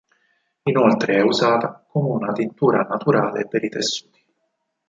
Inoltre è usata come una tintura naturale per i tessuti.